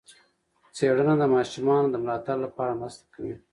څېړنه د ماشومانو د ملاتړ لپاره مرسته کوي.